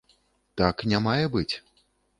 Так не мае быць.